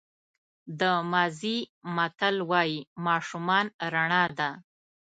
د مازی متل وایي ماشومان رڼا ده.